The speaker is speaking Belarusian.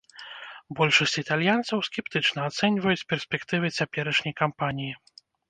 Большасць італьянцаў скептычна ацэньваюць перспектывы цяперашняй кампаніі.